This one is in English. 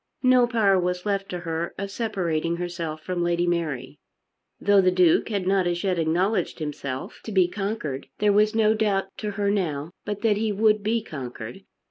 No power was left to her of separating herself from Lady Mary. Though the Duke had not as yet acknowledged himself to be conquered, there was no doubt to her now but that he would be conquered.